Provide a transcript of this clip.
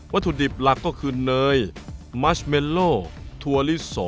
ถุดิบหลักก็คือเนยมัชเมลโลถั่วลิโส